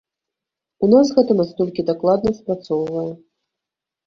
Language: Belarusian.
У нас гэта настолькі дакладна спрацоўвае.